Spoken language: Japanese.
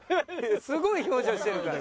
すごい表情してるから。